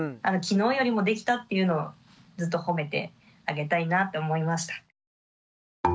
昨日よりもできたっていうのをずっと褒めてあげたいなって思いました。